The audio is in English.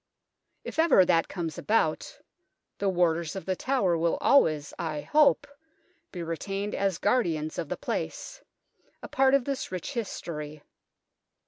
If ever that comes about, the Warders of The Tower will always, I hope, be retained as guardians of the place, a part of this rich history.